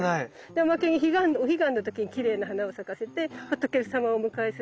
おまけにお彼岸の時にきれいな花を咲かせて仏様をお迎えするお花になる。